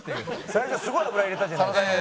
最初すごい油入れたじゃないですか。